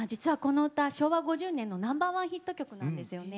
昭和５０年のナンバーワンヒット曲なんです。